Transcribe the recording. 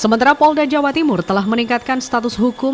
sementara polda jawa timur telah meningkatkan status hukum